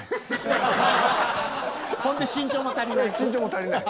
ほんで身長も足りない。